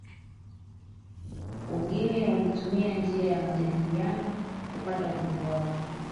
Wengine walitumia njia ya majadiliano kupata uhuru wao